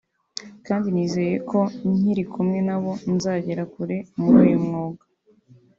kandi nizeye ko nkiri kumwe na bo nzagera kure muri uyu mwuga